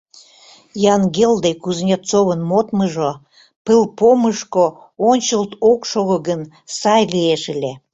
Янгелде-Кузнецовын модмыжо — пылпомышко ончылт ок шого гын — сай лиеш ыле.